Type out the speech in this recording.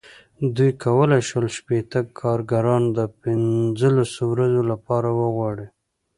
دوی کولای شول شپېته کارګران د پنځلسو ورځو لپاره وغواړي.